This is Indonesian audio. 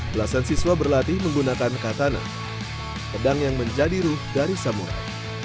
belasan siswa berlatih menggunakan katana pedang yang menjadi ruh dari samurai